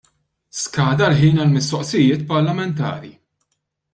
Skada l-ħin għall-mistoqsijiet parlamentari.